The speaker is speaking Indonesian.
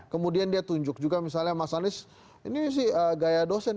kemudian dia tunjuk juga misalnya mas anies ini sih gaya dosen